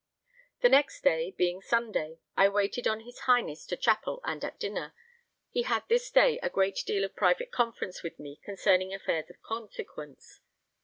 The next day, being Sunday, I waited on his Highness to chapel and at dinner; he had this day a great deal of private conference with me concerning affairs of consequence.